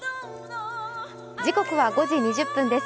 時刻は５時２０分です。